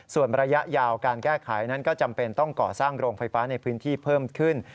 ส่วนระยะยาวการแก้ไขนั้นก็จำเป็นต้องก่อสร้างโรงไฟฟ้าในพื้นที่เพิ่มขึ้น